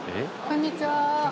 こんにちは。